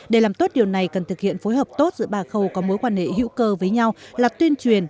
để làm tốt điều này cần thực hiện phối hợp tốt giữa ba khâu có mối quan hệ hữu cơ với nhau là tuyên truyền